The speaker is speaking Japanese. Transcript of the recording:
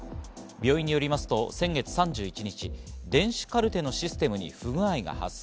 病院によりますと先月３１日、電子カルテのシステムに不具合が発生。